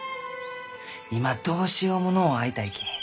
今どうしようものう会いたいき。